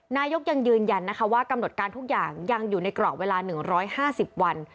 นายกยังยืนยันนะคะว่ากำหนดการทุกอย่างยังอยู่ในกรอบเวลา๑๕๐วัน